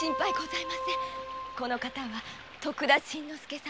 この方は徳田新之助様